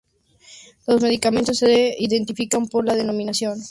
Los medicamentos se identifican por la Denominación Común Internacional.